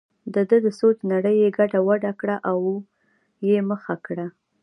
دده د سوچ نړۍ یې ګډه وډه کړه او یې مخه کړه.